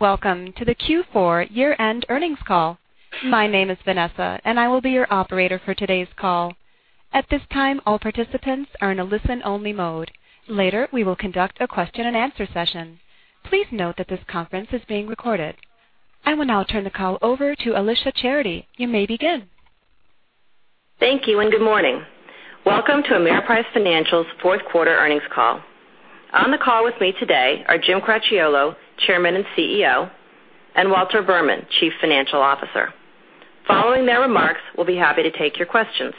Welcome to the Q4 year-end earnings call. My name is Vanessa, and I will be your operator for today's call. At this time, all participants are in a listen-only mode. Later, we will conduct a question and answer session. Please note that this conference is being recorded. I will now turn the call over to Alicia Charity. You may begin. Thank you. Good morning. Welcome to Ameriprise Financial's fourth quarter earnings call. On the call with me today are James Cracchiolo, Chairman and Chief Executive Officer, and Walter Berman, Chief Financial Officer. Following their remarks, we'll be happy to take your questions.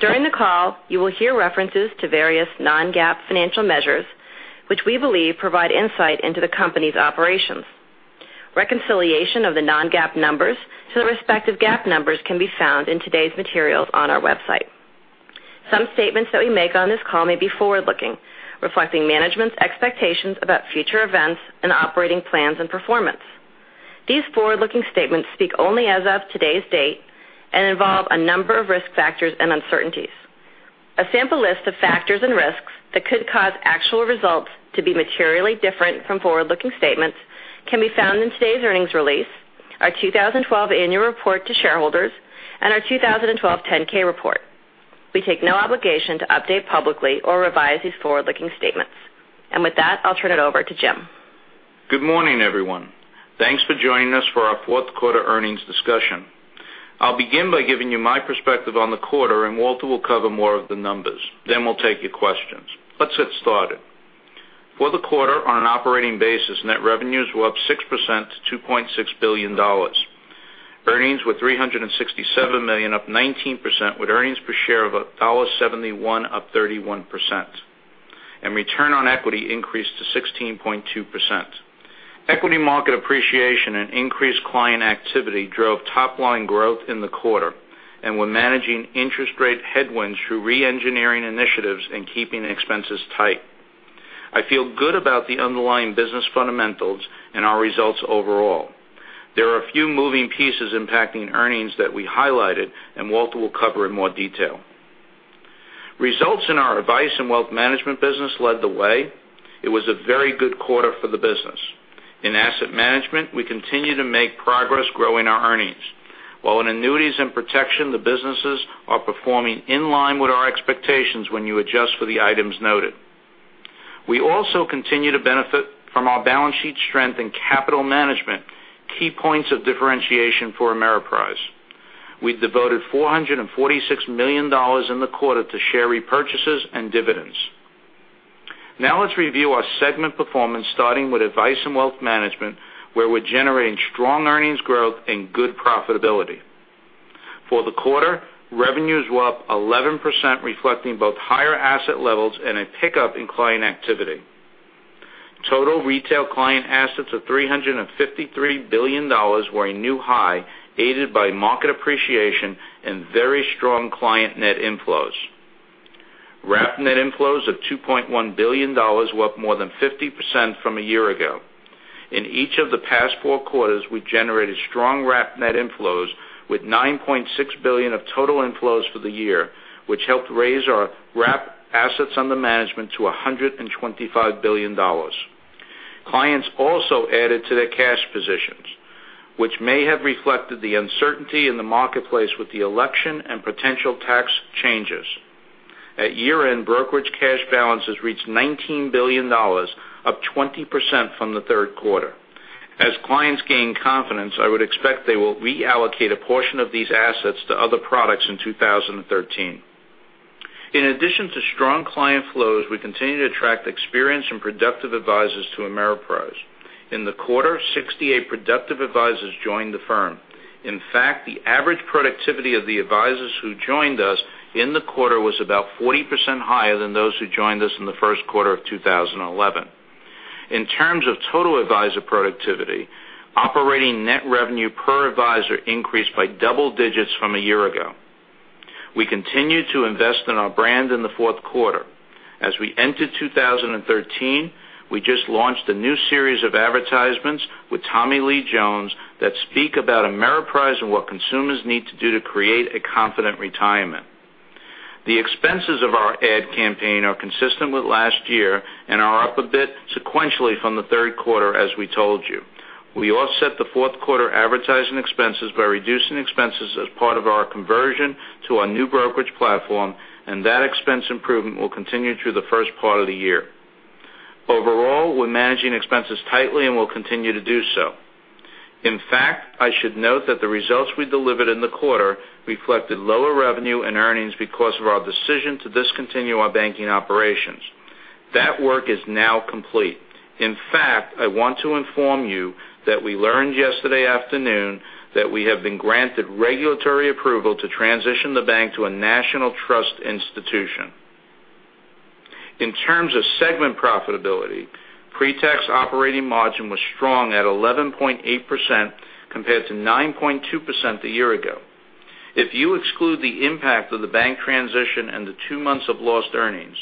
During the call, you will hear references to various non-GAAP financial measures, which we believe provide insight into the company's operations. Reconciliation of the non-GAAP numbers to the respective GAAP numbers can be found in today's materials on our website. Some statements that we make on this call may be forward-looking, reflecting management's expectations about future events and operating plans and performance. These forward-looking statements speak only as of today's date and involve a number of risk factors and uncertainties. A sample list of factors and risks that could cause actual results to be materially different from forward-looking statements can be found in today's earnings release, our 2012 annual report to shareholders, and our 2012 10-K report. We take no obligation to update publicly or revise these forward-looking statements. With that, I'll turn it over to Jim. Good morning, everyone. Thanks for joining us for our fourth quarter earnings discussion. I'll begin by giving you my perspective on the quarter, and Walter will cover more of the numbers. We'll take your questions. Let's get started. For the quarter, on an operating basis, net revenues were up 6% to $2.6 billion. Earnings were $367 million, up 19%, with earnings per share of $1.71, up 31%. Return on equity increased to 16.2%. Equity market appreciation and increased client activity drove top-line growth in the quarter and were managing interest rate headwinds through re-engineering initiatives and keeping expenses tight. I feel good about the underlying business fundamentals and our results overall. There are a few moving pieces impacting earnings that we highlighted, and Walter will cover in more detail. Results in our Advice and Wealth Management business led the way. It was a very good quarter for the business. In asset management, we continue to make progress growing our earnings. While in annuities and protection, the businesses are performing in line with our expectations when you adjust for the items noted. We also continue to benefit from our balance sheet strength and capital management, key points of differentiation for Ameriprise. We devoted $446 million in the quarter to share repurchases and dividends. Now let's review our segment performance, starting with Advice and Wealth Management, where we're generating strong earnings growth and good profitability. For the quarter, revenues were up 11%, reflecting both higher asset levels and a pickup in client activity. Total retail client assets of $353 billion were a new high, aided by market appreciation and very strong client net inflows. Wrap net inflows of $2.1 billion, were up more than 50% from a year ago. In each of the past four quarters, we generated strong wrap net inflows with $9.6 billion of total inflows for the year, which helped raise our wrap assets under management to $125 billion. Clients also added to their cash positions, which may have reflected the uncertainty in the marketplace with the election and potential tax changes. At year-end, brokerage cash balances reached $19 billion, up 20% from the third quarter. As clients gain confidence, I would expect they will reallocate a portion of these assets to other products in 2013. In addition to strong client flows, we continue to attract experienced and productive advisors to Ameriprise. In the quarter, 68 productive advisors joined the firm. In fact, the average productivity of the advisors who joined us in the quarter was about 40% higher than those who joined us in the first quarter of 2011. In terms of total advisor productivity, operating net revenue per advisor increased by double digits from a year ago. We continued to invest in our brand in the fourth quarter. As we enter 2013, we just launched a new series of advertisements with Tommy Lee Jones that speak about Ameriprise and what consumers need to do to create a confident retirement. The expenses of our ad campaign are consistent with last year and are up a bit sequentially from the third quarter, as we told you. We offset the fourth quarter advertising expenses by reducing expenses as part of our conversion to our new brokerage platform, and that expense improvement will continue through the first part of the year. Overall, we're managing expenses tightly and will continue to do so. In fact, I should note that the results we delivered in the quarter reflected lower revenue and earnings because of our decision to discontinue our banking operations. That work is now complete. In fact, I want to inform you that we learned yesterday afternoon that we have been granted regulatory approval to transition the bank to a national trust institution. In terms of segment profitability, pre-tax operating margin was strong at 11.8% compared to 9.2% a year ago. If you exclude the impact of the bank transition and the two months of lost earnings,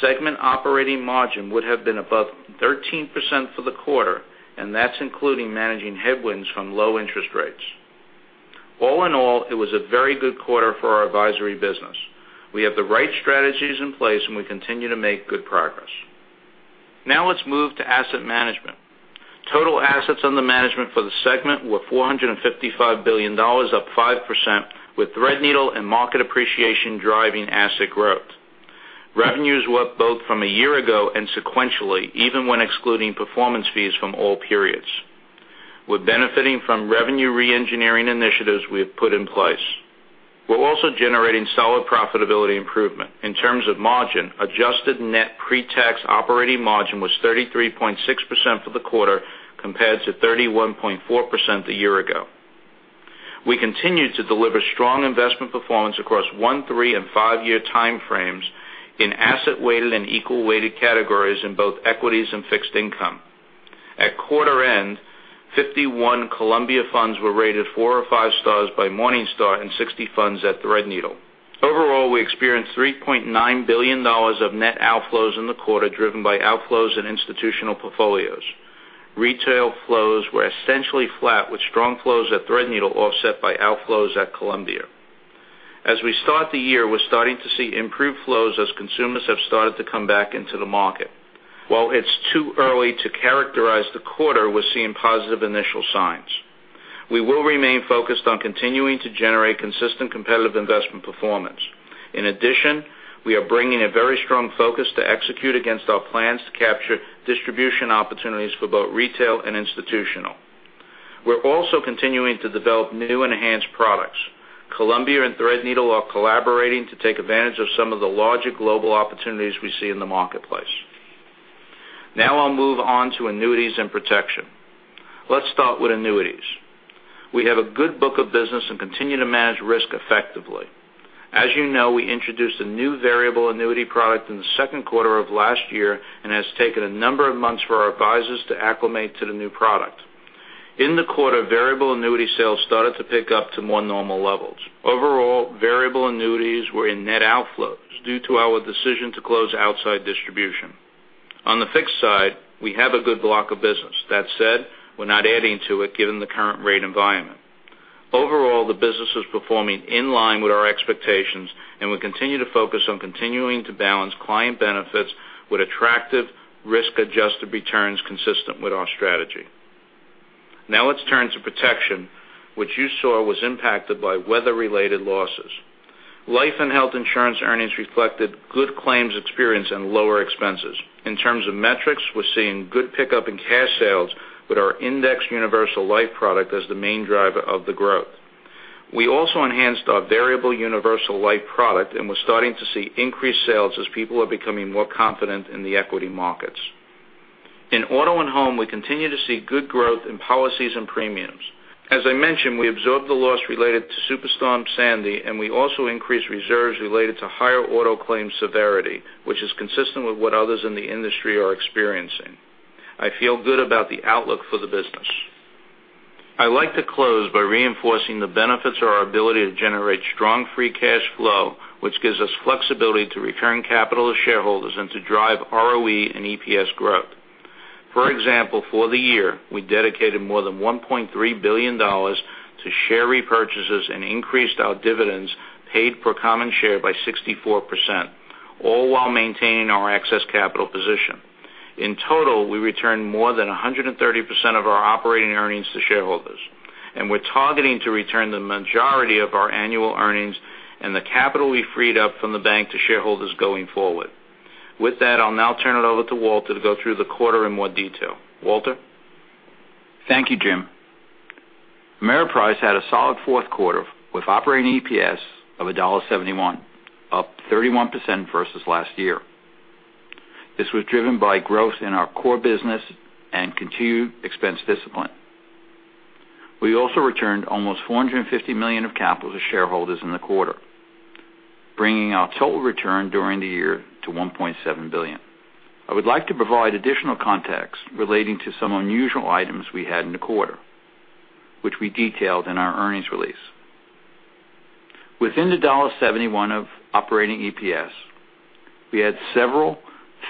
segment operating margin would have been above 13% for the quarter, and that's including managing headwinds from low interest rates. All in all, it was a very good quarter for our advisory business. We have the right strategies in place, and we continue to make good progress. Now let's move to asset management. Total assets under management for the segment were $455 billion, up 5%, with Threadneedle and market appreciation driving asset growth. Revenues were up both from a year ago and sequentially, even when excluding performance fees from all periods. We're benefiting from revenue reengineering initiatives we have put in place. We're also generating solid profitability improvement. In terms of margin, adjusted net pre-tax operating margin was 33.6% for the quarter compared to 31.4% a year ago. We continued to deliver strong investment performance across one, three, and five-year time frames in asset-weighted and equal-weighted categories in both equities and fixed income. At quarter end, 51 Columbia Funds were rated four or five stars by Morningstar and 60 funds at Threadneedle. Overall, we experienced $3.9 billion of net outflows in the quarter, driven by outflows in institutional portfolios. Retail flows were essentially flat, with strong flows at Threadneedle offset by outflows at Columbia. As we start the year, we're starting to see improved flows as consumers have started to come back into the market. While it's too early to characterize the quarter, we're seeing positive initial signs. We will remain focused on continuing to generate consistent competitive investment performance. In addition, we are bringing a very strong focus to execute against our plans to capture distribution opportunities for both retail and institutional. We're also continuing to develop new enhanced products. Columbia and Threadneedle are collaborating to take advantage of some of the larger global opportunities we see in the marketplace. Now I'll move on to annuities and protection. Let's start with annuities. We have a good book of business and continue to manage risk effectively. As you know, we introduced a new variable annuity product in the second quarter of last year and has taken a number of months for our advisors to acclimate to the new product. In the quarter, variable annuity sales started to pick up to more normal levels. Overall, variable annuities were in net outflows due to our decision to close outside distribution. On the fixed side, we have a good block of business. That said, we're not adding to it given the current rate environment. Overall, the business is performing in line with our expectations, and we continue to focus on continuing to balance client benefits with attractive risk-adjusted returns consistent with our strategy. Now let's turn to protection, which you saw was impacted by weather-related losses. Life and health insurance earnings reflected good claims experience and lower expenses. In terms of metrics, we're seeing good pickup in cash sales with our indexed universal life product as the main driver of the growth. We also enhanced our variable universal life product, and we're starting to see increased sales as people are becoming more confident in the equity markets. In auto and home, we continue to see good growth in policies and premiums. As I mentioned, we absorbed the loss related to Superstorm Sandy, and we also increased reserves related to higher auto claim severity, which is consistent with what others in the industry are experiencing. I feel good about the outlook for the business. I'd like to close by reinforcing the benefits of our ability to generate strong free cash flow, which gives us flexibility to return capital to shareholders and to drive ROE and EPS growth. For example, for the year, we dedicated more than $1.3 billion to share repurchases and increased our dividends paid per common share by 64%, all while maintaining our excess capital position. In total, we returned more than 130% of our operating earnings to shareholders, and we're targeting to return the majority of our annual earnings and the capital we freed up from the bank to shareholders going forward. With that, I'll now turn it over to Walter to go through the quarter in more detail. Walter? Thank you, Jim. Ameriprise had a solid fourth quarter with operating EPS of $1.71, up 31% versus last year. This was driven by growth in our core business and continued expense discipline. We also returned almost $450 million of capital to shareholders in the quarter, bringing our total return during the year to $1.7 billion. I would like to provide additional context relating to some unusual items we had in the quarter, which we detailed in our earnings release. Within the $1.71 of operating EPS, we had several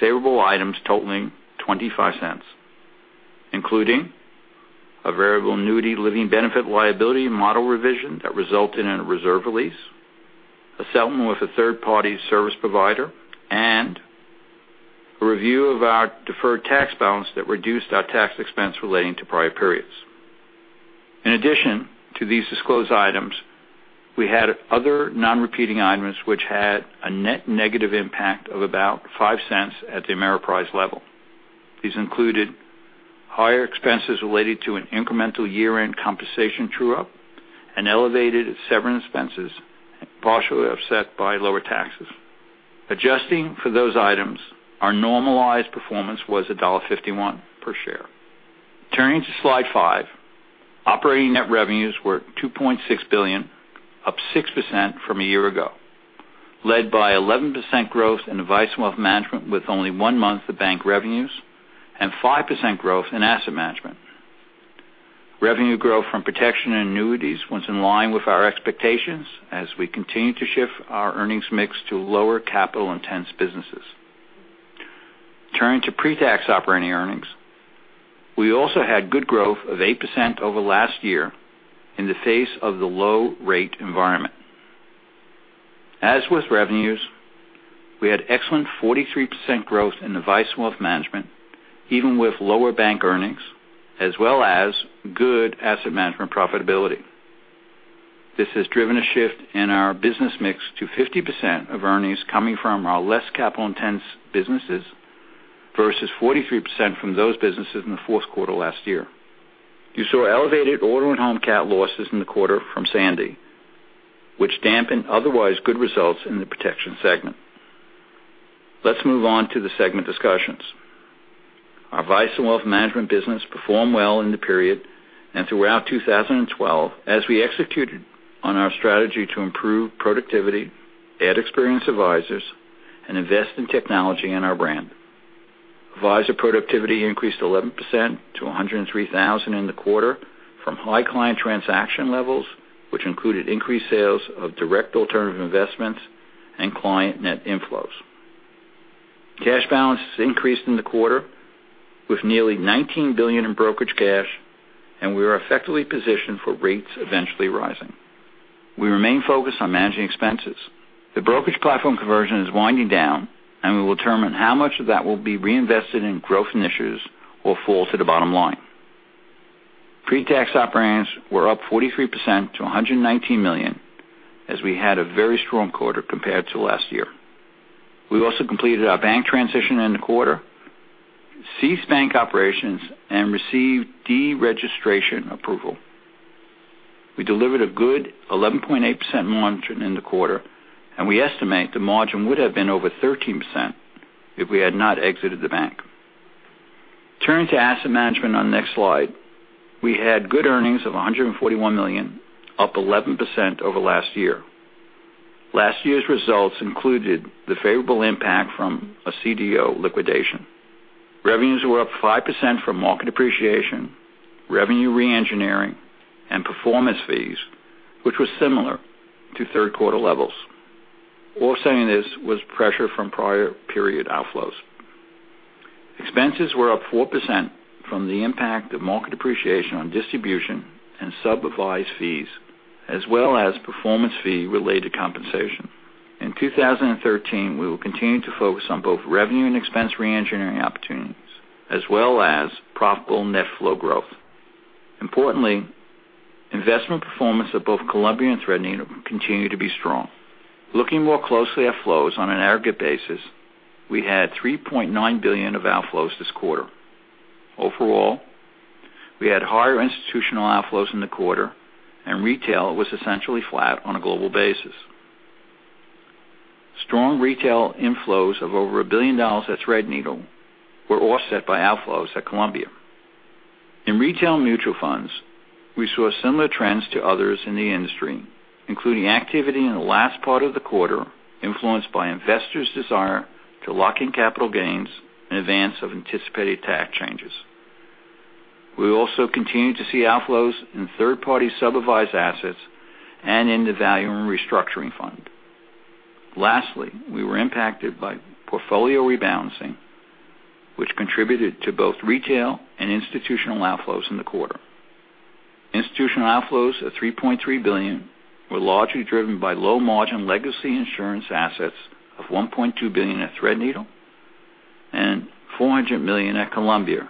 favorable items totaling $0.25, including a Variable Annuity living benefit liability model revision that resulted in a reserve release, a settlement with a third-party service provider, and a review of our deferred tax balance that reduced our tax expense relating to prior periods. In addition to these disclosed items, we had other non-repeating items which had a net negative impact of about $0.05 at the Ameriprise level. These included higher expenses related to an incremental year-end compensation true-up and elevated severance expenses, partially offset by lower taxes. Adjusting for those items, our normalized performance was $1.51 per share. Turning to slide five. Operating net revenues were $2.6 billion, up 6% from a year ago, led by 11% growth in Advice and Wealth Management with only one month of bank revenues and 5% growth in asset management. Revenue growth from protection and annuities was in line with our expectations as we continue to shift our earnings mix to lower capital-intense businesses. Turning to pre-tax operating earnings. We also had good growth of 8% over last year in the face of the low rate environment. As with revenues, we had excellent 43% growth in Advice and Wealth Management, even with lower bank earnings, as well as good asset management profitability. This has driven a shift in our business mix to 50% of earnings coming from our less capital intense businesses versus 43% from those businesses in the fourth quarter last year. You saw elevated auto and home cat losses in the quarter from Sandy, which dampened otherwise good results in the protection segment. Let's move on to the segment discussions. Our Advice and Wealth Management business performed well in the period and throughout 2012 as we executed on our strategy to improve productivity, add experienced advisors, and invest in technology and our brand. Advisor productivity increased 11% to 103,000 in the quarter from high client transaction levels, which included increased sales of direct alternative investments and client net inflows. Cash balances increased in the quarter with nearly $19 billion in brokerage cash. We are effectively positioned for rates eventually rising. We remain focused on managing expenses. The brokerage platform conversion is winding down, and we will determine how much of that will be reinvested in growth initiatives or fall to the bottom line. Pre-tax operations were up 43% to $119 million as we had a very strong quarter compared to last year. We also completed our bank transition in the quarter, ceased bank operations, and received deregistration approval. We delivered a good 11.8% margin in the quarter. We estimate the margin would have been over 13% if we had not exited the bank. Turning to asset management on the next slide. We had good earnings of $141 million, up 11% over last year. Last year's results included the favorable impact from a CDO liquidation. Revenues were up 5% from market appreciation, revenue re-engineering, and performance fees, which were similar to third quarter levels. Offsetting this was pressure from prior period outflows. Expenses were up 4% from the impact of market appreciation on distribution and sub-advised fees, as well as performance fee-related compensation. In 2013, we will continue to focus on both revenue and expense re-engineering opportunities, as well as profitable net flow growth. Importantly, investment performance at both Columbia and Threadneedle continue to be strong. Looking more closely at flows on an aggregate basis, we had $3.9 billion of outflows this quarter. Overall, we had higher institutional outflows in the quarter. Retail was essentially flat on a global basis. Strong retail inflows of over $1 billion at Threadneedle were offset by outflows at Columbia. In retail mutual funds, we saw similar trends to others in the industry, including activity in the last part of the quarter influenced by investors' desire to lock in capital gains in advance of anticipated tax changes. We also continued to see outflows in third party sub-advised assets and in the Value and Restructuring Fund. Lastly, we were impacted by portfolio rebalancing, which contributed to both retail and institutional outflows in the quarter. Institutional outflows of $3.3 billion were largely driven by low margin legacy insurance assets of $1.2 billion at Threadneedle and $400 million at Columbia,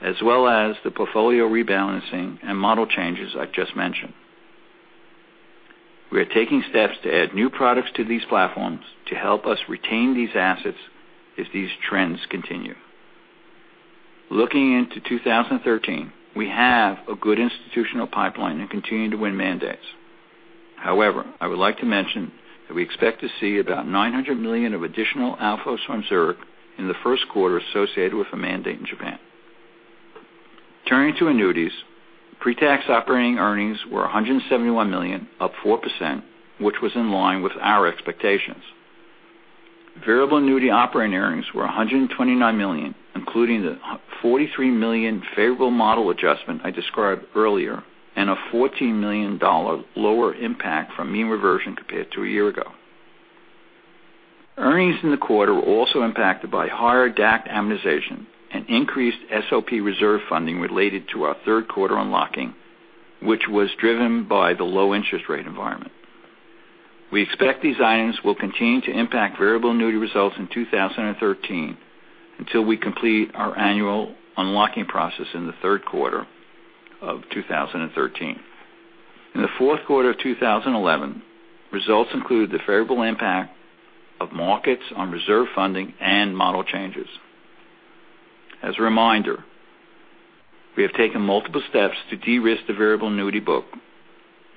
as well as the portfolio rebalancing and model changes I just mentioned. We are taking steps to add new products to these platforms to help us retain these assets if these trends continue. Looking into 2013, we have a good institutional pipeline and continue to win mandates. I would like to mention that we expect to see about $900 million of additional outflows from Zurich in the first quarter associated with a mandate in Japan. Turning to annuities. Pre-tax operating earnings were $171 million, up 4%, which was in line with our expectations. Variable Annuity operating earnings were $129 million, including the $43 million favorable model adjustment I described earlier and a $14 million lower impact from mean reversion compared to a year ago. Earnings in the quarter were also impacted by higher DAC amortization and increased SOP reserve funding related to our third quarter unlocking, which was driven by the low interest rate environment. We expect these items will continue to impact Variable Annuity results in 2013 until we complete our annual unlocking process in the third quarter of 2013. In the fourth quarter of 2011, results include the favorable impact of markets on reserve funding and model changes. As a reminder, we have taken multiple steps to de-risk the Variable Annuity book,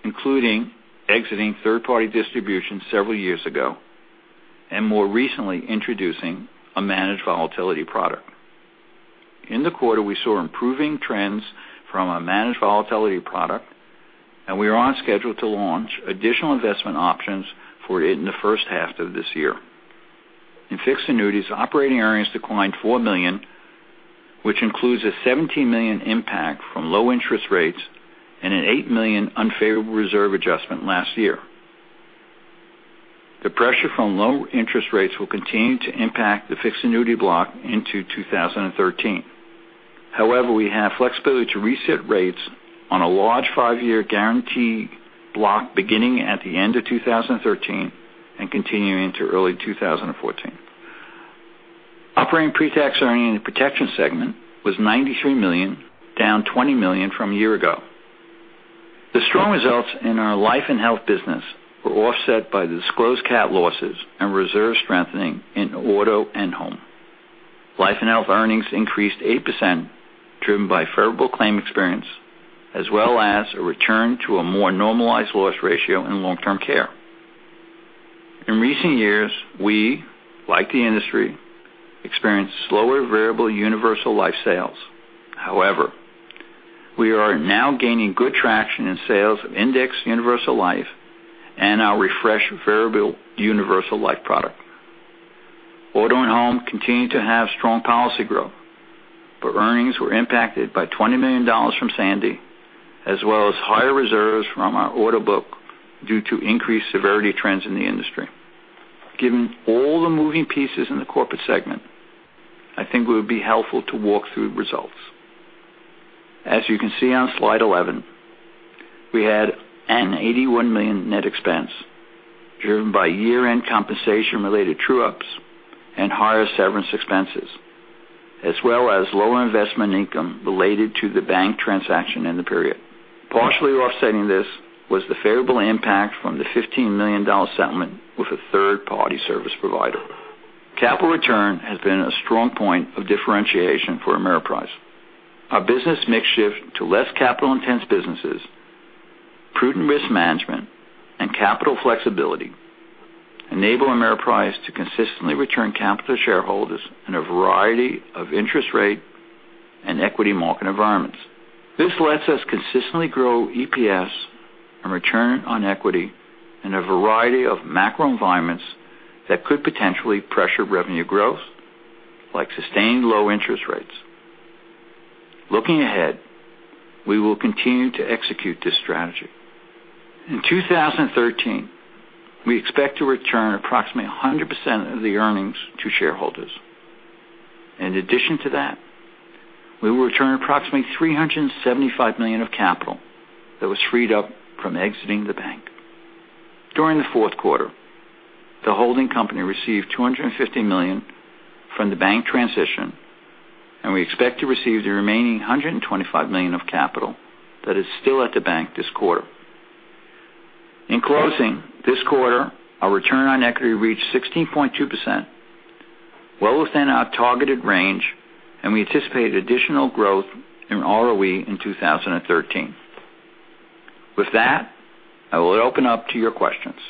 including exiting third-party distribution several years ago, and more recently introducing a managed volatility product. In the quarter, we saw improving trends from a managed volatility product, and we are on schedule to launch additional investment options for it in the first half of this year. In Fixed Annuities, operating earnings declined $4 million, which includes a $17 million impact from low interest rates and an $8 million unfavorable reserve adjustment last year. The pressure from low interest rates will continue to impact the Fixed Annuity block into 2013. However, we have flexibility to reset rates on a large five-year guarantee block beginning at the end of 2013 and continuing into early 2014. Operating pre-tax earnings Protection segment was $93 million, down $20 million from a year ago. The strong results in our life and health business were offset by the disclosed cat losses and reserve strengthening in auto and home. Life and health earnings increased 8%, driven by favorable claim experience, as well as a return to a more normalized loss ratio in Long-Term Care. In recent years, we, like the industry, experienced slower Variable Universal Life sales. However, we are now gaining good traction in sales of Indexed Universal Life and our refreshed Variable Universal Life product. Auto and home continue to have strong policy growth, but earnings were impacted by $20 million from Sandy, as well as higher reserves from our auto book due to increased severity trends in the industry. Given all the moving pieces in the corporate segment, I think it would be helpful to walk through results. As you can see on slide 11, we had an $81 million net expense, driven by year-end compensation related true-ups and higher severance expenses, as well as lower investment income related to the bank transaction in the period. Partially offsetting this was the favorable impact from the $15 million settlement with a third-party service provider. Capital return has been a strong point of differentiation for Ameriprise. Our business mix shift to less capital-intense businesses, prudent risk management, and capital flexibility enable Ameriprise to consistently return capital to shareholders in a variety of interest rate and equity market environments. This lets us consistently grow EPS and return on equity in a variety of macro environments that could potentially pressure revenue growth, like sustained low interest rates. Looking ahead, we will continue to execute this strategy. In 2013, we expect to return approximately 100% of the earnings to shareholders. In addition to that, we will return approximately $375 million of capital that was freed up from exiting the bank. During the fourth quarter, the holding company received $250 million from the bank transition, and we expect to receive the remaining $125 million of capital that is still at the bank this quarter. In closing, this quarter, our return on equity reached 16.2%, well within our targeted range, and we anticipate additional growth in ROE in 2013. With that, I will open up to your questions.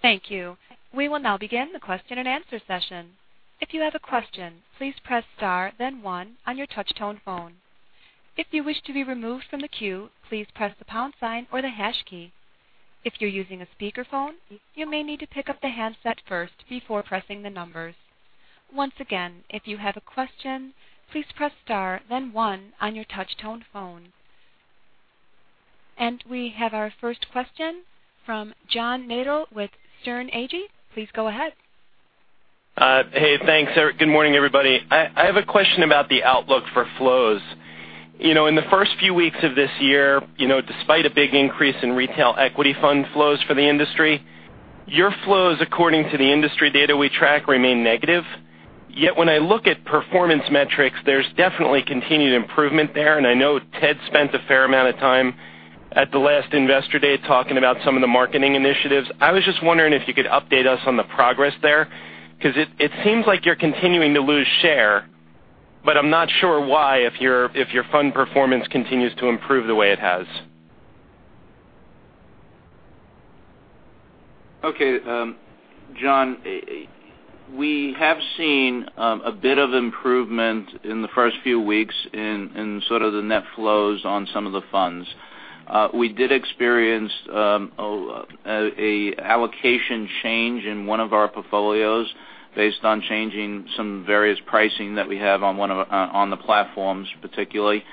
Thank you. We will now begin the question and answer session. If you have a question, please press star then one on your touch tone phone. If you wish to be removed from the queue, please press the pound sign or the hash key. If you're using a speakerphone, you may need to pick up the handset first before pressing the numbers. Once again, if you have a question, please press star then one on your touch tone phone. We have our first question from John Nadel with Sterne Agee. Please go ahead. Hey, thanks. Good morning, everybody. I have a question about the outlook for flows. In the first few weeks of this year, despite a big increase in retail equity fund flows for the industry, your flows, according to the industry data we track, remain negative. When I look at performance metrics, there's definitely continued improvement there. I know Ted spent a fair amount of time at the last Investor Day talking about some of the marketing initiatives. I was just wondering if you could update us on the progress there, because it seems like you're continuing to lose share. I'm not sure why, if your fund performance continues to improve the way it has. Okay. John, we have seen a bit of improvement in the first few weeks in sort of the net flows on some of the funds. We did experience a allocation change in one of our portfolios based on changing some various pricing that we have on the platforms particularly.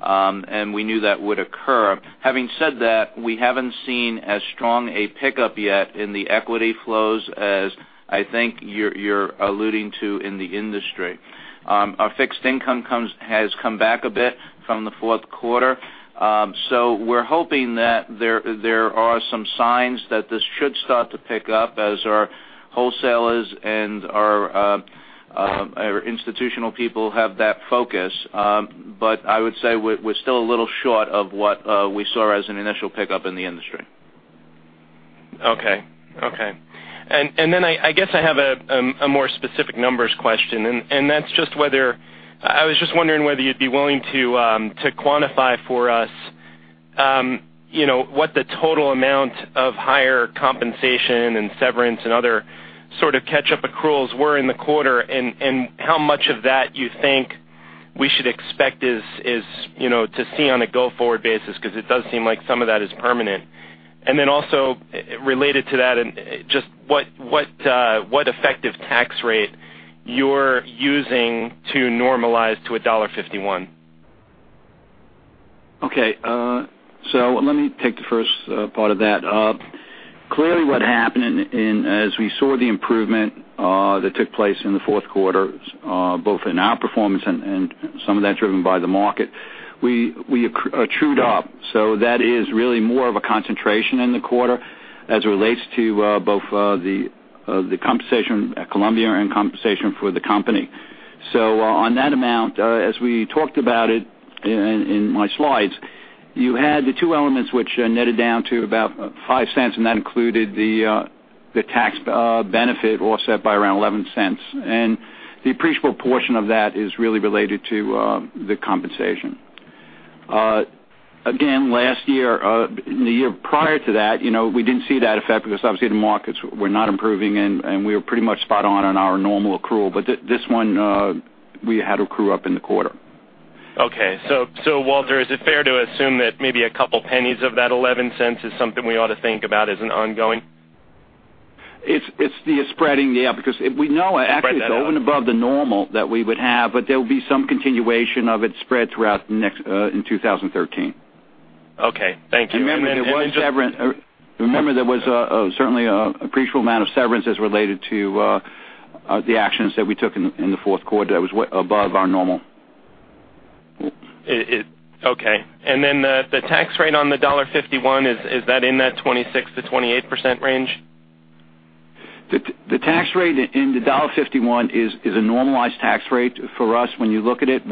We knew that would occur. Having said that, we haven't seen as strong a pickup yet in the equity flows as I think you're alluding to in the industry. Our fixed income has come back a bit from the fourth quarter. We're hoping that there are some signs that this should start to pick up as our wholesalers and our institutional people have that focus. I would say we're still a little short of what we saw as an initial pickup in the industry. Okay. I guess I have a more specific numbers question. I was just wondering whether you'd be willing to quantify for us what the total amount of higher compensation and severance and other sort of catch-up accruals were in the quarter. How much of that you think we should expect to see on a go-forward basis, because it does seem like some of that is permanent. Also related to that, just what effective tax rate you're using to normalize to $1.51? Let me take the first part of that. Clearly, what happened as we saw the improvement that took place in the fourth quarter, both in our performance and some of that driven by the market, we trued up. That is really more of a concentration in the quarter as it relates to both the compensation at Columbia and compensation for the company. On that amount, as we talked about it in my slides, you had the two elements which netted down to about $0.05, and that included the tax benefit offset by around $0.11. The appreciable portion of that is really related to the compensation. Again, last year, in the year prior to that, we didn't see that effect because obviously the markets were not improving and we were pretty much spot on in our normal accrual. This one, we had to accrue up in the quarter. Walter, is it fair to assume that maybe a couple pennies of that $0.11 is something we ought to think about as an ongoing? It's the spreading. We know actually it's above the normal that we would have, but there'll be some continuation of it spread throughout in 2013. Okay. Thank you. Remember, there was certainly an appreciable amount of severance as related to the actions that we took in the fourth quarter that was above our normal. Okay. The tax rate on the $1.51, is that in that 26%-28% range? The tax rate in the $1.51 is a normalized tax rate for us. When you look at it,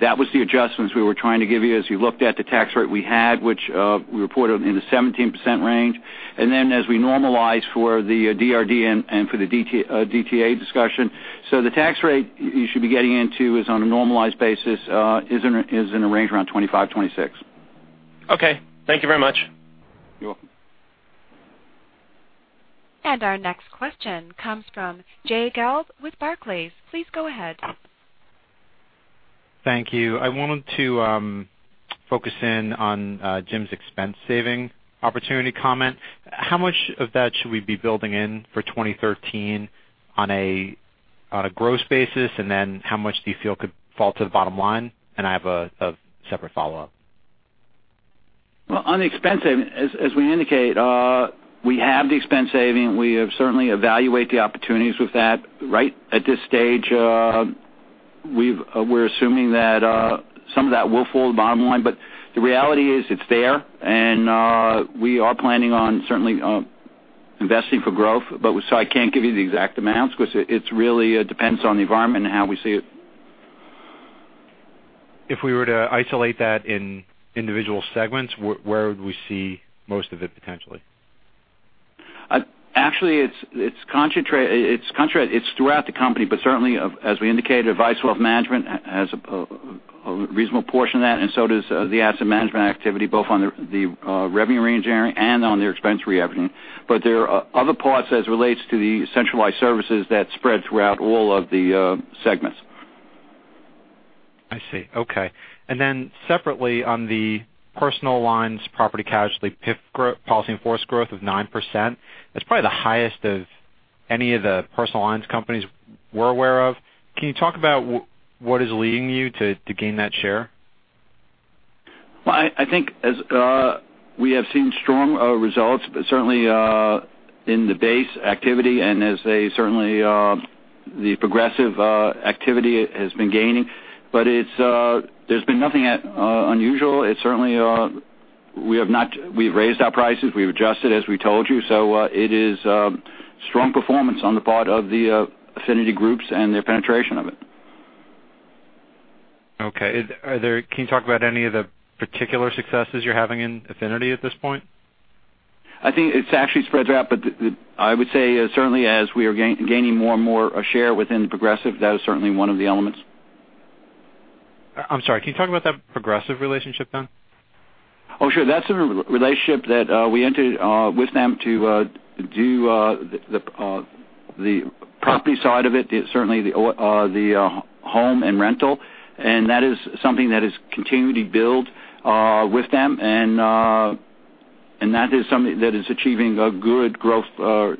that was the adjustments we were trying to give you as you looked at the tax rate we had, which we reported in the 17% range. As we normalize for the DRD and for the DTA discussion. The tax rate you should be getting into is on a normalized basis is in a range around 25%-26%. Okay. Thank you very much. You're welcome. Our next question comes from Jay Gelb with Barclays. Please go ahead. Thank you. I wanted to focus in on Jim's expense saving opportunity comment. How much of that should we be building in for 2013 on a gross basis? How much do you feel could fall to the bottom line? I have a separate follow-up. On the expense saving, as we indicate, we have the expense saving. We certainly evaluate the opportunities with that. At this stage, we're assuming that some of that will fall to the bottom line, but the reality is it's there, and we are planning on certainly investing for growth. I can't give you the exact amounts because it really depends on the environment and how we see it. If we were to isolate that in individual segments, where would we see most of it potentially? It's throughout the company, but certainly as we indicated, Advice and Wealth Management has a reasonable portion of that, and so does the Asset Management activity, both on the revenue reengineering and on their expense reengineering. There are other parts as relates to the centralized services that spread throughout all of the segments. I see. Okay. Separately on the personal lines, Property Casualty, P&C, policy in-force growth of 9%, that's probably the highest of any of the personal lines companies we're aware of. Can you talk about what is leading you to gain that share? I think as we have seen strong results, certainly in the base activity and as they certainly, the Progressive activity has been gaining. There's been nothing unusual. It's certainly we've raised our prices, we've adjusted, as we told you. It is strong performance on the part of the affinity groups and their penetration of it. Okay. Can you talk about any of the particular successes you're having in affinity at this point? I think it's actually spread throughout, but I would say certainly as we are gaining more and more a share within Progressive, that is certainly one of the elements. I'm sorry. Can you talk about that Progressive relationship then? Oh, sure. That's a relationship that we entered with them to do the property side of it, certainly the home and rental, and that is something that has continued to build with them, and that is something that is achieving good growth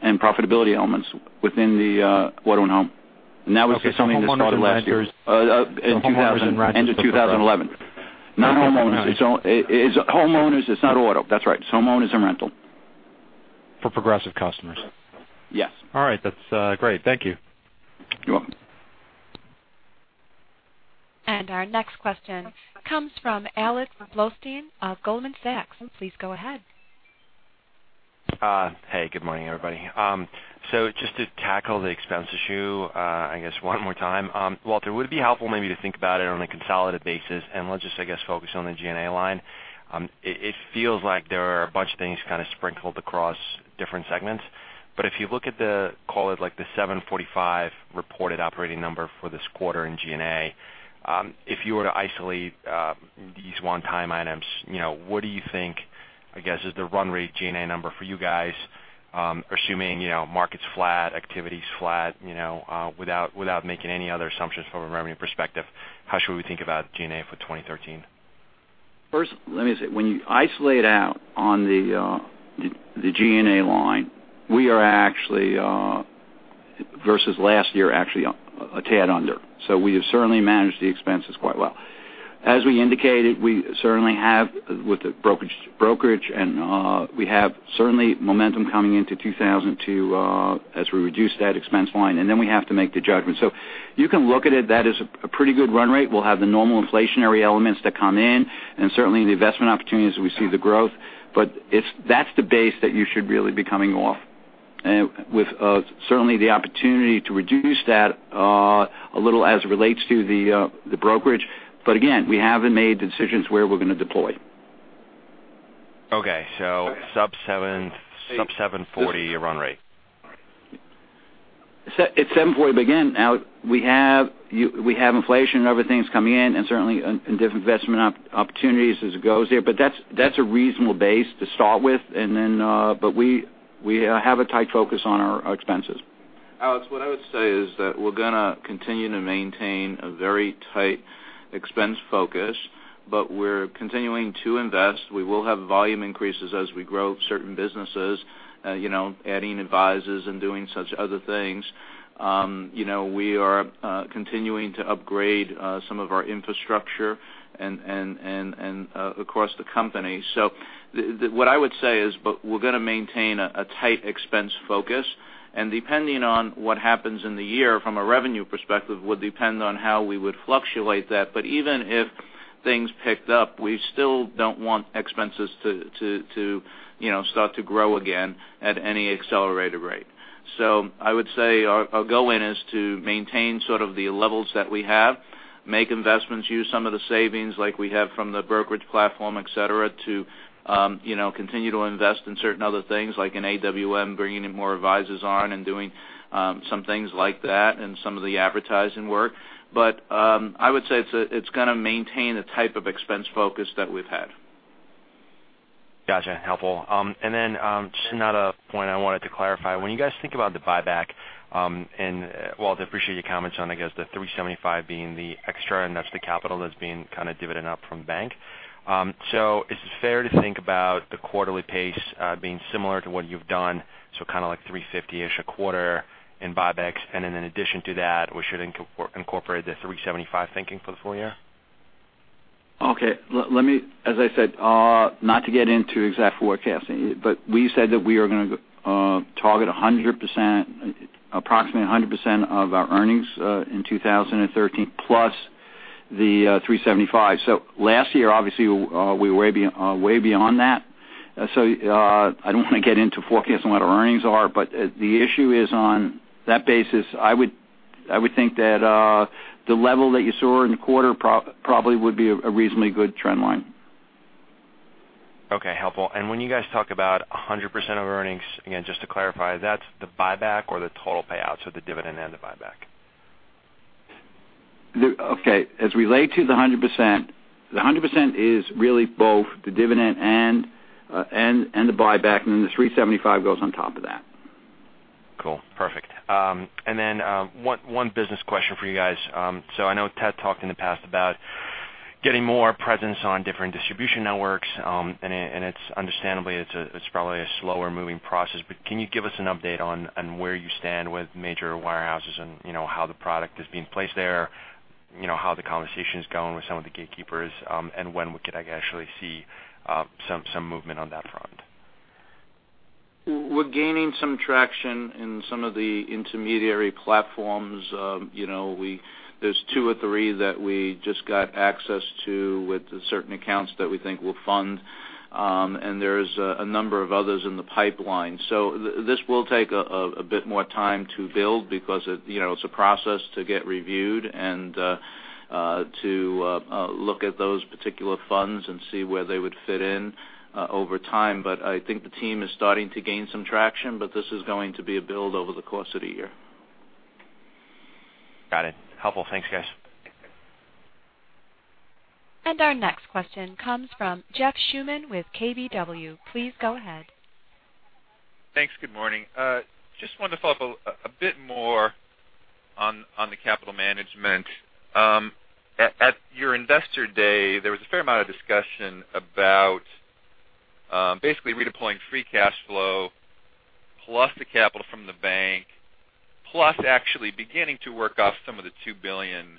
and profitability elements within the auto and home. That was just something that started last year. Okay. Homeowners and renters. End of 2011. Not homeowners. It's homeowners. It's not auto. That's right. It's homeowners and rental. For Progressive customers. Yes. All right. That's great. Thank you. You're welcome. Our next question comes from Alex Blostein of Goldman Sachs. Please go ahead. Hey, good morning, everybody. Just to tackle the expense issue I guess one more time. Walter, would it be helpful maybe to think about it on a consolidated basis? Let's just, I guess, focus on the G&A line. It feels like there are a bunch of things kind of sprinkled across different segments. If you look at the, call it like the $745 reported operating number for this quarter in G&A. If you were to isolate these one time items, what do you think, I guess, is the run rate G&A number for you guys? Assuming market's flat, activity's flat without making any other assumptions from a revenue perspective, how should we think about G&A for 2013? First, let me say, when you isolate out on the G&A line, we are actually versus last year, actually, a tad under. We have certainly managed the expenses quite well. As we indicated, we certainly have with the brokerage, and we have certainly momentum coming into 2000 to, as we reduce that expense line. We have to make the judgment. You can look at it, that is a pretty good run rate. We'll have the normal inflationary elements that come in and certainly the investment opportunities as we see the growth. That's the base that you should really be coming off. With, certainly the opportunity to reduce that a little as it relates to the brokerage. Again, we haven't made the decisions where we're going to deploy. Okay. Sub 740 run rate. It's 740, now we have inflation and other things coming in, and certainly different investment opportunities as it goes there. That's a reasonable base to start with. We have a tight focus on our expenses. Alex, what I would say is that we're going to continue to maintain a very tight expense focus, we're continuing to invest. We will have volume increases as we grow certain businesses, adding advisors and doing such other things. We are continuing to upgrade some of our infrastructure and across the company. What I would say is, we're going to maintain a tight expense focus and depending on what happens in the year from a revenue perspective, would depend on how we would fluctuate that. Even if things picked up, we still don't want expenses to start to grow again at any accelerated rate. I would say our go in is to maintain sort of the levels that we have, make investments, use some of the savings like we have from the brokerage platform, et cetera, to continue to invest in certain other things like in AWM, bringing in more advisors on and doing some things like that and some of the advertising work. I would say it's going to maintain the type of expense focus that we've had. Gotcha. Helpful. Just another point I wanted to clarify. When you guys think about the buyback, and Walt, I appreciate your comments on, I guess the $375 being the extra, and that's the capital that's being kind of divvied up from bank. Is it fair to think about the quarterly pace being similar to what you've done? Kind of like $350-ish a quarter in buybacks. In addition to that, we should incorporate the $375 thinking for the full year? Okay. As I said, not to get into exact forecasting, we said that we are going to target approximately 100% of our earnings in 2013 plus the $375. Last year, obviously, we were way beyond that. I don't want to get into forecasting what our earnings are, the issue is on that basis, I would think that the level that you saw in the quarter probably would be a reasonably good trend line. Okay, helpful. When you guys talk about 100% of earnings, again, just to clarify, that's the buyback or the total payouts of the dividend and the buyback? Okay. As related to the 100%, the 100% is really both the dividend and the buyback, then the 375 goes on top of that. Then one business question for you guys. I know Ted talked in the past about getting more presence on different distribution networks. Understandably, it's probably a slower moving process, but can you give us an update on where you stand with major warehouses and how the product is being placed there? How the conversation is going with some of the gatekeepers, and when we could actually see some movement on that front? We're gaining some traction in some of the intermediary platforms. There's two or three that we just got access to with certain accounts that we think will fund. There's a number of others in the pipeline. This will take a bit more time to build because it's a process to get reviewed and to look at those particular funds and see where they would fit in over time. I think the team is starting to gain some traction, but this is going to be a build over the course of the year. Got it. Helpful. Thanks, guys. Our next question comes from Jeff Schuman with KBW. Please go ahead. Thanks. Good morning. Just wanted to follow up a bit more on the capital management. At your investor day, there was a fair amount of discussion about basically redeploying free cash flow, plus the capital from the bank, plus actually beginning to work off some of the $2 billion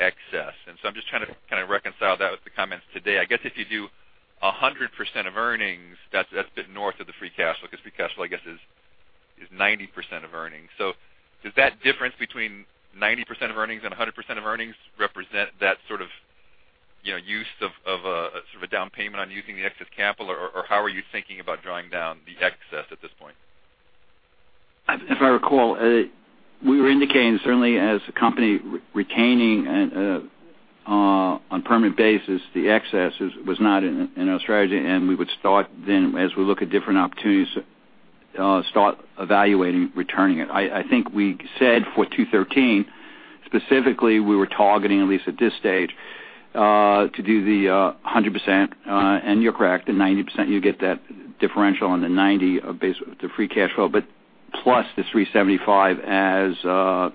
excess. I'm just trying to kind of reconcile that with the comments today. I guess if you do 100% of earnings, that's a bit north of the free cash flow, because free cash flow, I guess is 90% of earnings. Does that difference between 90% of earnings and 100% of earnings represent that sort of a down payment on using the excess capital, or how are you thinking about drawing down the excess at this point? If I recall, we were indicating certainly as a company retaining on permanent basis, the excess was not in our strategy, and we would start then, as we look at different opportunities, start evaluating returning it. I think we said for 2013, specifically, we were targeting, at least at this stage, to do the 100%. You're correct, the 90%, you get that differential on the 90% based the free cash flow. Plus the $375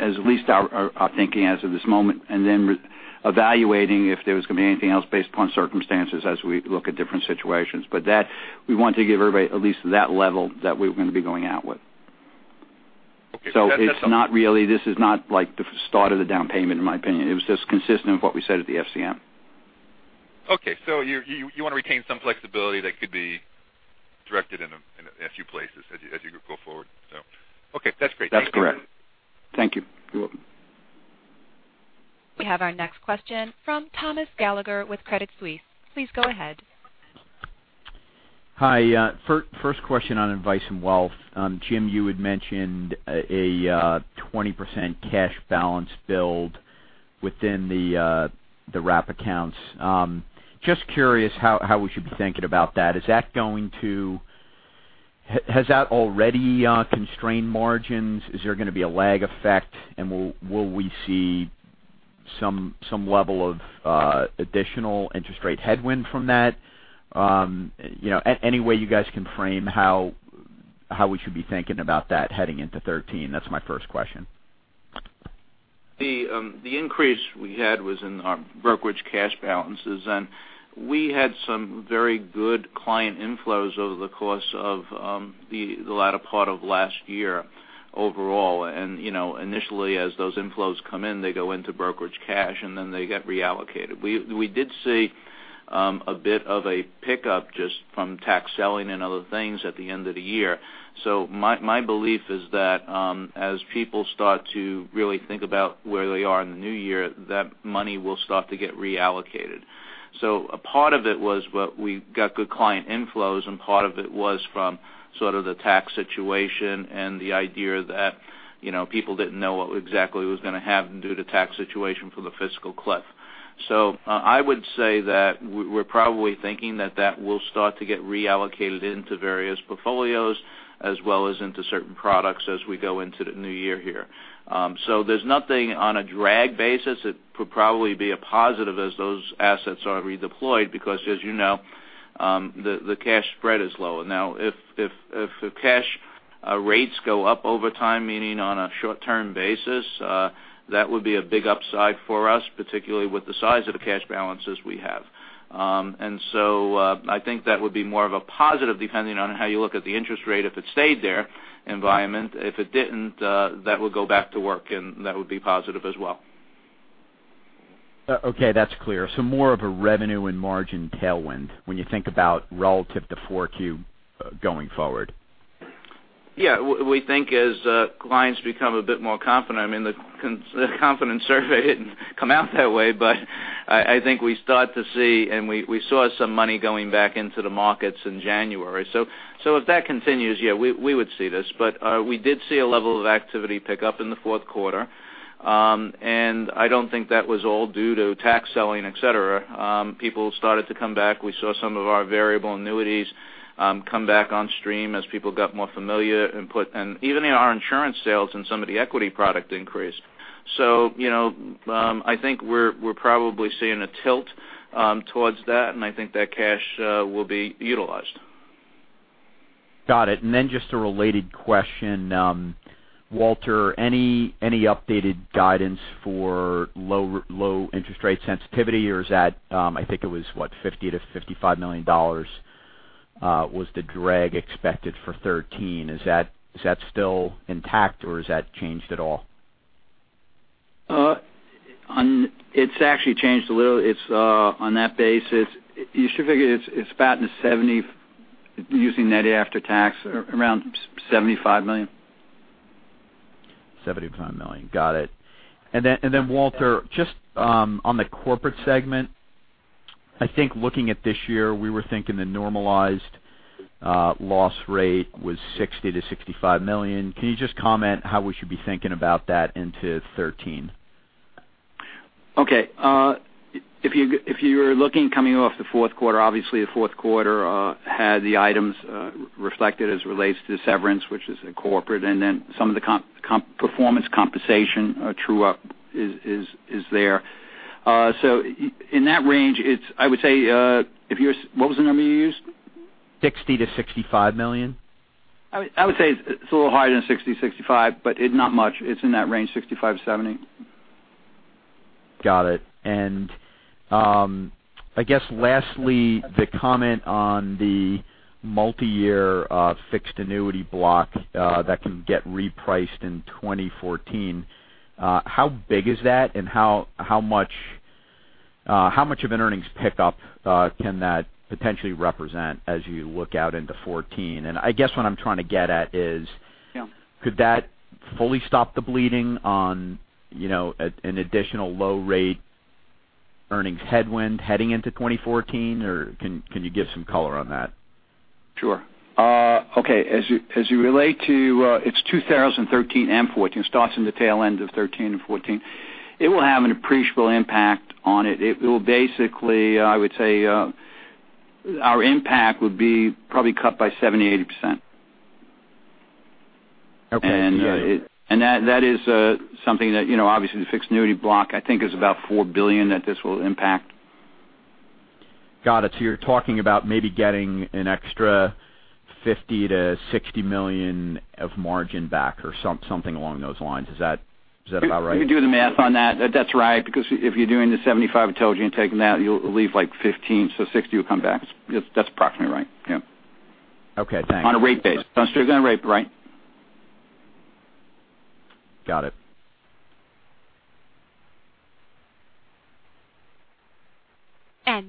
at least our thinking as of this moment, and then evaluating if there was going to be anything else based upon circumstances as we look at different situations. That, we want to give everybody at least that level that we're going to be going out with. Okay. It's not really, this is not like the start of the down payment, in my opinion. It was just consistent with what we said at the FCM. Okay. You want to retain some flexibility that could be directed in a few places as you go forward. Okay. That's great. Thank you. That's correct. Thank you. You're welcome. We have our next question from Thomas Gallagher with Credit Suisse. Please go ahead. Hi. First question on Advice and Wealth. Jim, you had mentioned a 20% cash balance build within the wrap accounts. Just curious how we should be thinking about that. Has that already constrained margins? Is there going to be a lag effect? Will we see some level of additional interest rate headwind from that? Any way you guys can frame how we should be thinking about that heading into 2013? That's my first question. The increase we had was in our brokerage cash balances, we had some very good client inflows over the course of the latter part of last year overall. Initially, as those inflows come in, they go into brokerage cash, and then they get reallocated. We did see a bit of a pickup just from tax selling and other things at the end of the year. My belief is that, as people start to really think about where they are in the new year, that money will start to get reallocated. A part of it was what we got good client inflows, and part of it was from sort of the tax situation and the idea that people didn't know what exactly was going to happen due to tax situation from the fiscal cliff. I would say that we're probably thinking that that will start to get reallocated into various portfolios as well as into certain products as we go into the new year here. There's nothing on a drag basis. It could probably be a positive as those assets are redeployed because, as you know, the cash spread is lower. Now, if the cash rates go up over time, meaning on a short-term basis, that would be a big upside for us, particularly with the size of the cash balances we have. I think that would be more of a positive depending on how you look at the interest rate, if it stayed there, environment. If it didn't, that would go back to work and that would be positive as well. Okay, that's clear. More of a revenue and margin tailwind when you think about relative to 4Q going forward. Yeah, we think as clients become a bit more confident, I mean, the confidence survey didn't come out that way, but I think we start to see, we saw some money going back into the markets in January. If that continues, yeah, we would see this. We did see a level of activity pick up in the fourth quarter. I don't think that was all due to tax selling, et cetera. People started to come back. We saw some of our variable annuities come back on stream as people got more familiar input. Even in our insurance sales and some of the equity product increased. I think we're probably seeing a tilt towards that, and I think that cash will be utilized. Got it. Just a related question. Walter, any updated guidance for low interest rate sensitivity? Or is that, I think it was, what, $50 million-$55 million, was the drag expected for 2013? Is that still intact or has that changed at all? It's actually changed a little. On that basis, you should figure it's about in the 70, using net after tax, around $75 million. $75 million. Got it. Walter, just on the corporate segment, I think looking at this year, we were thinking the normalized loss rate was $60 million-$65 million. Can you just comment how we should be thinking about that into 2013? Okay. If you're looking coming off the fourth quarter, obviously the fourth quarter had the items reflected as it relates to severance, which is a corporate, and then some of the performance compensation true up is there. In that range, I would say, what was the number you used? $60 million-$65 million. I would say it's a little higher than $60-$65, but not much. It's in that range, $65-$70. Got it. I guess lastly, the comment on the multi-year Fixed Annuity block that can get repriced in 2014. How big is that and how much of an earnings pickup can that potentially represent as you look out into 2014? I guess what I'm trying to get at is. Yeah. Could that fully stop the bleeding on an additional low rate earnings headwind heading into 2014? Can you give some color on that? Sure. Okay. As you relate to, it's 2013 and 2014. It starts in the tail end of 2013 and 2014. It will have an appreciable impact on it. It will basically, I would say our impact would be probably cut by 70%-80%. Okay. That is something that obviously the fixed annuity block, I think, is about $4 billion that this will impact. Got it. You're talking about maybe getting an extra $50 million-$60 million of margin back or something along those lines. Is that about right? You can do the math on that. That's right, because if you're doing the $75 I told you and taking that, it'll leave like $15, so $60 will come back. That's approximately right. Yeah. Okay, thanks. On a rate base. On a straight rate, right. Got it.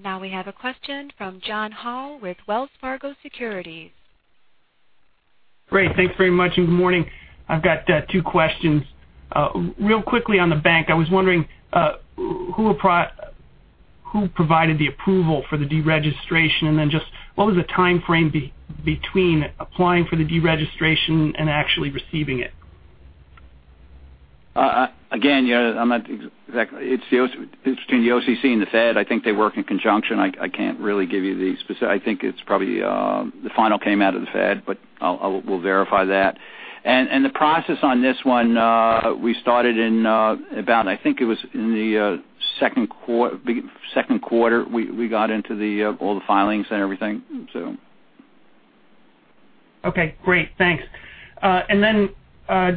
Now we have a question from John Hall with Wells Fargo Securities. Great. Thanks very much, and good morning. I've got two questions. Real quickly on the bank, I was wondering who provided the approval for the deregistration, then just what was the timeframe between applying for the deregistration and actually receiving it? Again, it's between the OCC and the Fed. I think they work in conjunction. I can't really give you the specific. I think it's probably the final came out of the Fed, but we'll verify that. The process on this one, we started in about, I think it was in the second quarter we got into all the filings and everything. Okay, great. Thanks. Then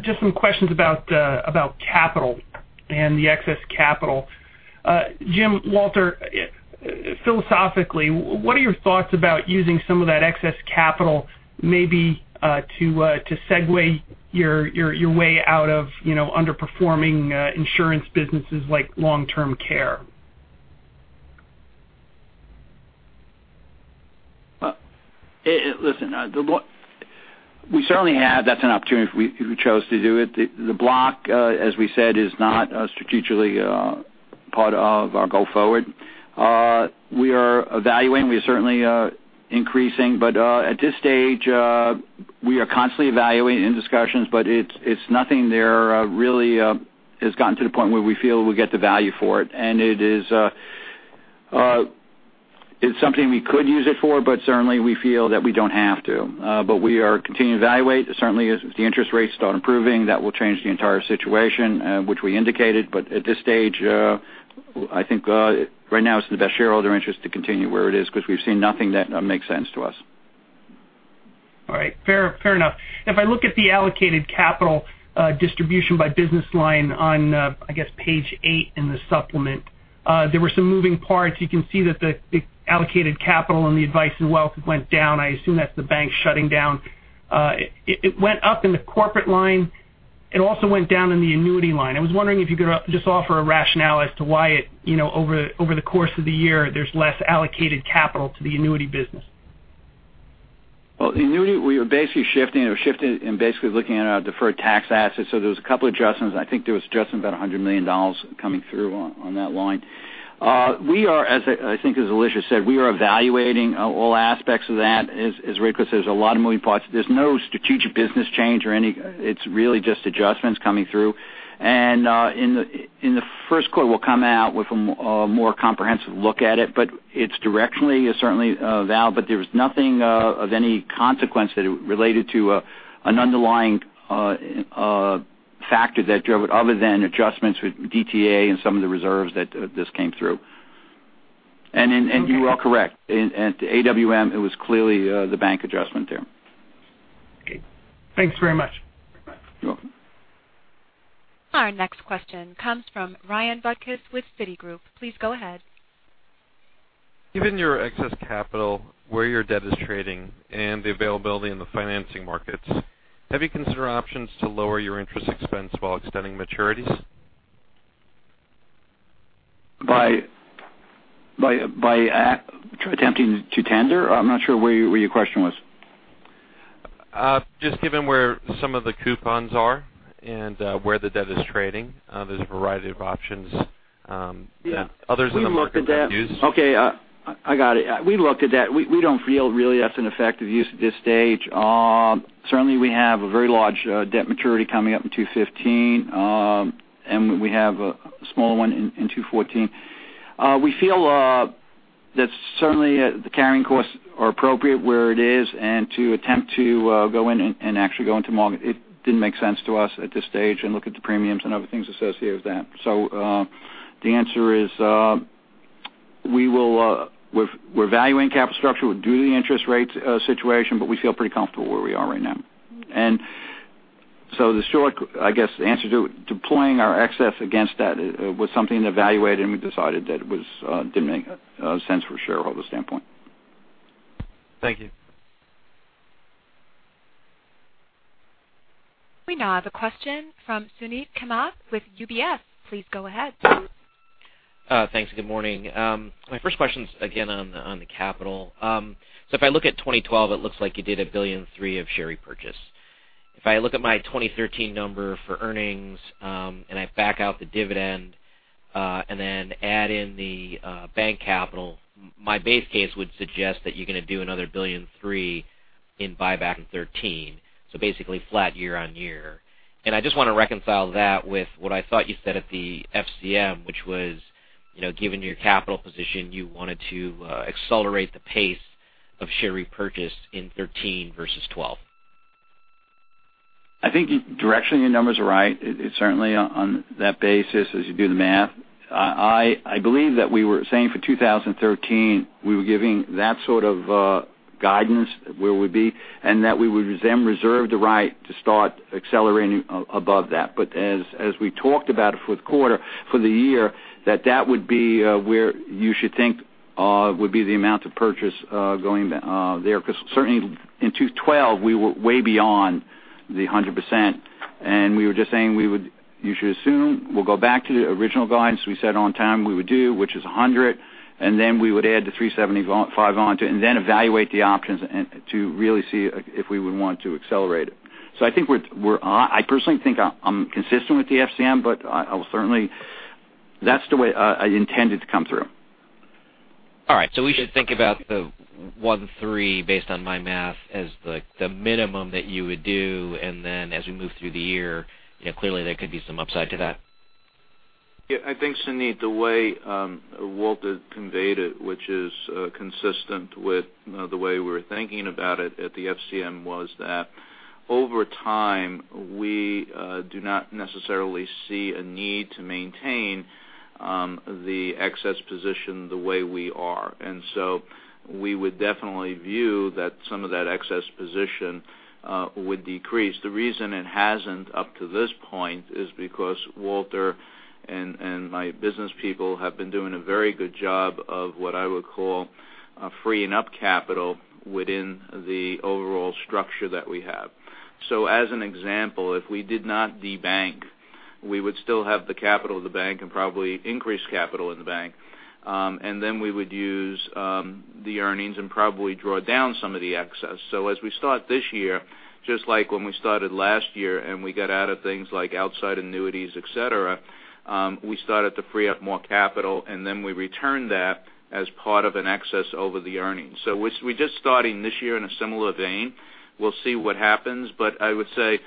just some questions about capital and the excess capital. Jim Walter, philosophically, what are your thoughts about using some of that excess capital maybe to segue your way out of underperforming insurance businesses like Long-Term Care? Listen, we certainly have. That's an opportunity if we chose to do it. The block, as we said, is not strategically part of our go forward. We are evaluating. We are certainly increasing. At this stage, we are constantly evaluating in discussions, but it's nothing there really has gotten to the point where we feel we get the value for it. It's something we could use it for, but certainly we feel that we don't have to. We are continuing to evaluate. Certainly as the interest rates start improving, that will change the entire situation, which we indicated. At this stage, I think right now it's in the best shareholder interest to continue where it is because we've seen nothing that makes sense to us. All right. Fair enough. If I look at the allocated capital distribution by business line on, I guess page eight in the supplement, there were some moving parts. You can see that the allocated capital on the Advice and Wealth went down. I assume that's the bank shutting down. It went up in the corporate line. It also went down in the annuity line. I was wondering if you could just offer a rationale as to why over the course of the year, there's less allocated capital to the annuity business. The annuity, we were basically shifting. It was shifting and basically looking at our deferred tax assets. There was a couple adjustments. I think there was an adjustment of about $100 million coming through on that line. We are, I think as Alicia said, we are evaluating all aspects of that. As Rick says, there's a lot of moving parts. There's no strategic business change or any. It's really just adjustments coming through. In the first quarter, we'll come out with a more comprehensive look at it. It's directionally certainly valid, but there was nothing of any consequence that related to an underlying factor that drove it other than adjustments with DTA and some of the reserves that this came through. And you are correct. At AWM, it was clearly the bank adjustment there. Thanks very much. You're welcome. Our next question comes from Ryan with Citigroup. Please go ahead. Given your excess capital, where your debt is trading, and the availability in the financing markets, have you considered options to lower your interest expense while extending maturities? By attempting to tender? I'm not sure where your question was. Just given where some of the coupons are and where the debt is trading. There's a variety of options that others in the market have used. Okay. I got it. We looked at that. We don't feel really that's an effective use at this stage. Certainly, we have a very large debt maturity coming up in 2015. We have a small one in 2014. We feel that certainly the carrying costs are appropriate where it is, and to attempt to go in and actually go into market, it didn't make sense to us at this stage and look at the premiums and other things associated with that. The answer is, we're evaluating capital structure. We're due the interest rate situation, but we feel pretty comfortable where we are right now. I guess the answer to deploying our excess against that was something to evaluate, and we decided that it didn't make sense from a shareholder standpoint. Thank you. We now have a question from Suneet Kamath with UBS. Please go ahead. Thanks. Good morning. My first question is again on the capital. If I look at 2012, it looks like you did $1 billion and three of share repurchase. If I look at my 2013 number for earnings and I back out the dividend and then add in the bank capital, my base case would suggest that you're going to do another $1 billion and three in buyback in 2013. Basically flat year-on-year. I just want to reconcile that with what I thought you said at the FCM, which was given your capital position, you wanted to accelerate the pace of share repurchase in 2013 versus 2012. I think directionally your numbers are right. Certainly on that basis, as you do the math, I believe that we were saying for 2013, we were giving that sort of guidance where we'd be, and that we would then reserve the right to start accelerating above that. As we talked about it for the quarter, for the year, that would be where you should think would be the amount of purchase going there. Certainly in 2012, we were way beyond the 100%, and we were just saying you should assume we'll go back to the original guidance we said on time we would do, which is 100, and then we would add the 375 onto it, and then evaluate the options to really see if we would want to accelerate it. I personally think I'm consistent with the FCM, but that's the way I intended to come through. All right. We should think about the one three based on my math as the minimum that you would do, and then as we move through the year, clearly there could be some upside to that. Yeah, I think, Suneet, the way Walter conveyed it, which is consistent with the way we're thinking about it at the FCM, was that over time, we do not necessarily see a need to maintain the excess position the way we are. We would definitely view that some of that excess position would decrease. The reason it hasn't up to this point is because Walter and my business people have been doing a very good job of what I would call freeing up capital within the overall structure that we have. As an example, if we did not debank, we would still have the capital of the bank and probably increase capital in the bank. We would use the earnings and probably draw down some of the excess. As we start this year, just like when we started last year and we got out of things like outside annuities, et cetera, we started to free up more capital, we returned that as part of an excess over the earnings. We're just starting this year in a similar vein. We'll see what happens, but I would say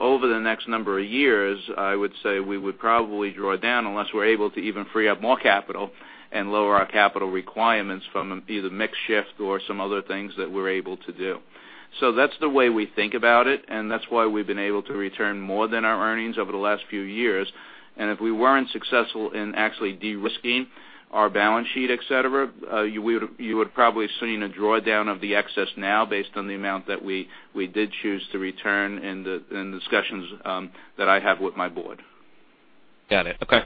over the next number of years, I would say we would probably draw down unless we're able to even free up more capital and lower our capital requirements from either mix shift or some other things that we're able to do. That's the way we think about it, and that's why we've been able to return more than our earnings over the last few years. If we weren't successful in actually de-risking our balance sheet, et cetera, you would probably have seen a drawdown of the excess now based on the amount that we did choose to return in the discussions that I have with my board. Got it. Okay.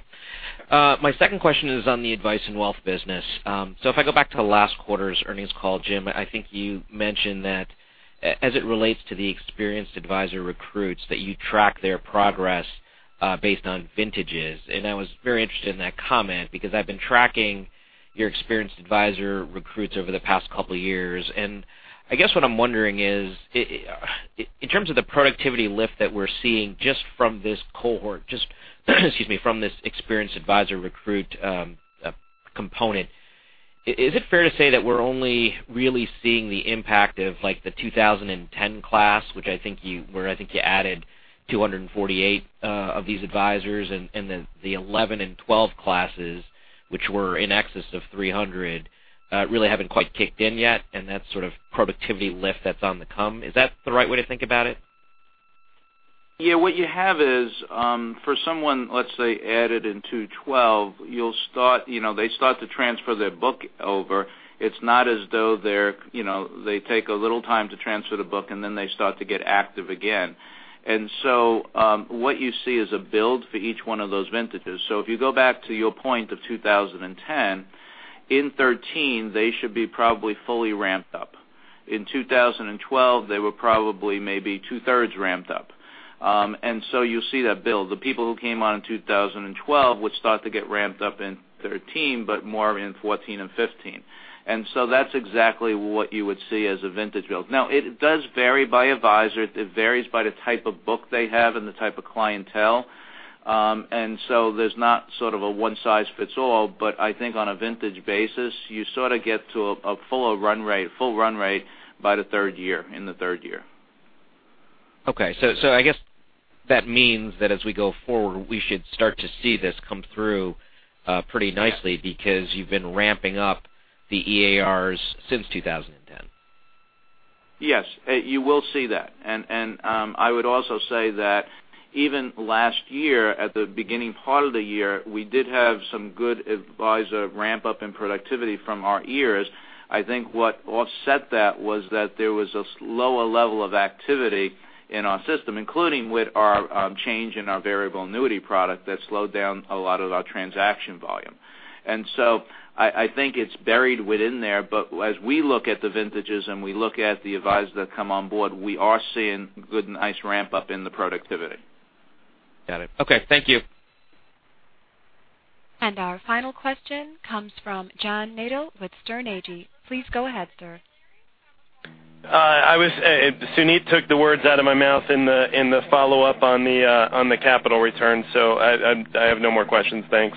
My second question is on the Advice and Wealth business. If I go back to last quarter's earnings call, Jim, I think you mentioned that as it relates to the Experienced Advisor Recruits, that you track their progress based on vintages. I was very interested in that comment because I've been tracking your Experienced Advisor Recruits over the past couple of years. I guess what I'm wondering is, in terms of the productivity lift that we're seeing just from this cohort, from this Experienced Advisor Recruit component, is it fair to say that we're only really seeing the impact of the 2010 class, where I think you added 248 of these advisors, and then the 2011 and 2012 classes, which were in excess of 300, really haven't quite kicked in yet, and that sort of productivity lift that's on the come. Is that the right way to think about it? Yeah, what you have is for someone, let's say, added in 2012, they start to transfer their book over. It's not as though they take a little time to transfer the book, then they start to get active again. What you see is a build for each one of those vintages. If you go back to your point of 2010, in 2013, they should be probably fully ramped up. In 2012, they were probably maybe two-thirds ramped up. You see that build. The people who came on in 2012 would start to get ramped up in 2013, but more in 2014 and 2015. That's exactly what you would see as a vintage build. It does vary by advisor. It varies by the type of book they have and the type of clientele. There's not sort of a one size fits all, but I think on a vintage basis, you sort of get to a full run rate by the third year, in the third year. Okay. I guess that means that as we go forward, we should start to see this come through pretty nicely because you've been ramping up the EARs since 2010. Yes, you will see that. I would also say that even last year, at the beginning part of the year, we did have some good advisor ramp-up in productivity from our EARs. I think what offset that was that there was a slower level of activity in our system, including with our change in our Variable Annuity product that slowed down a lot of our transaction volume. I think it's buried within there, but as we look at the vintages and we look at the advisors that come on board, we are seeing good, nice ramp-up in the productivity. Got it. Okay. Thank you. Our final question comes from John Nadel with Sterne Agee. Please go ahead, sir. Suneet took the words out of my mouth in the follow-up on the capital return. I have no more questions. Thanks.